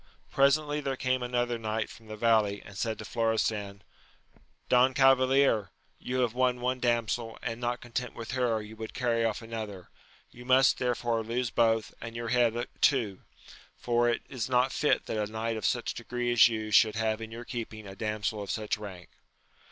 ■»^ Presently there came another knight from the valley, and said to Florestan, Don Cavalier, you have 16—2 244 AMADIS OF GAUL. won one damsel, and, not content with her, you would carry oflf another ; you must, therefore, lose both, and your head too ; for it is not fit that a knight of such degree as you should have in your keeping a damsel of such rank.